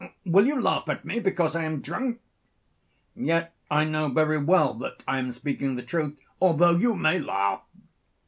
Will you laugh at me because I am drunk? Yet I know very well that I am speaking the truth, although you may laugh.